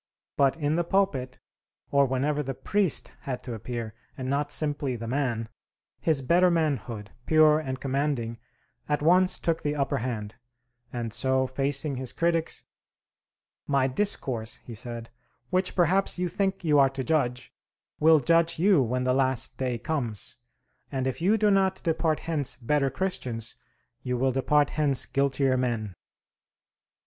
But in the pulpit, or whenever the priest had to appear, and not simply the man, his better manhood, pure and commanding, at once took the upper hand; and so, facing his critics, "My discourse," he said, "which perhaps you think you are to judge, will judge you when the last day comes; and if you do not depart hence better Christians, you will depart hence guiltier men!"